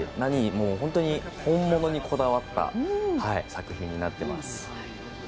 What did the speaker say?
本当に、本物にこだわった作品になっています。